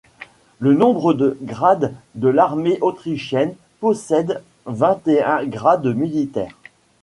Le nombre de Grades de l'armée autrichienne possède vingt-et-un grades militaires.